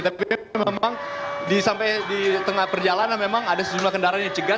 tapi memang sampai di tengah perjalanan memang ada sejumlah kendaraan yang dicegat